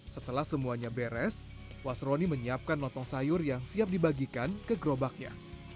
setelah semuanya beres wasroni menyiapkan lontong sayur yang siap dibagikan ke gerobaknya